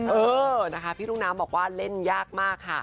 เออนะคะพี่รุ่งน้ำบอกว่าเล่นยากมากค่ะ